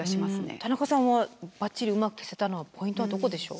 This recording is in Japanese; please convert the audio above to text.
田中さんはバッチリうまく消せたのはポイントはどこでしょう？